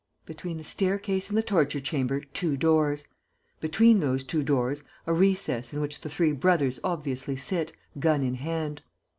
Between the staircase and the torture chamber, two doors. Between those two doors, a recess in which the three brothers obviously sit, gun in hand."